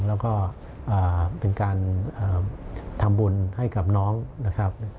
แล้วก็เป็นการทำบุญให้กับน้องนะครับ